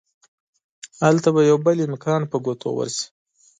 هلته به يو بل امکان په ګوتو ورشي.